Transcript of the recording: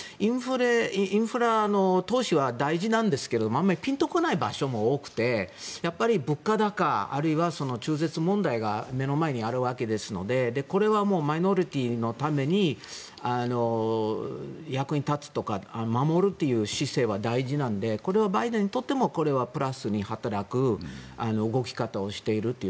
インフラの投資は大事なんですけどあまりピンと来ない場所も多くてやっぱり物価高あるいは中絶問題が目の前にあるわけですのでこれはマイノリティーのために役に立つとか守るという姿勢は大事なのでこれはバイデンにとってもプラスに働く動き方をしていると。